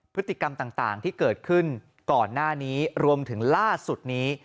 พฤติกรรมต่างที่เกิดขึ้นก่อนหน้านี้รวมถึงล่าสุดนี้